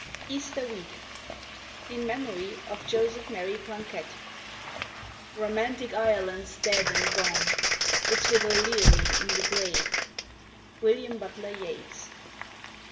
Easter Week (In memory of Joseph Mary Plunkett) ("Romantic Ireland's dead and gone, It's with O'Leary in the grave.") William Butler Yeats.